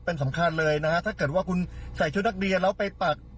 เป็นสำคัญเลยนะฮะถ้าเกิดว่าคุณใส่ชุดนักเรียนแล้วไปปัก